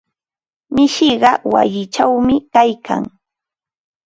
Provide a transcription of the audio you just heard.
Mishiqa wayichawmi kaykan.